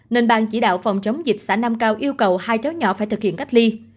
nên bang chỉ đạo phòng chống dịch xã nam cao yêu cầu hai cháu nhỏ phải thực hiện cách ly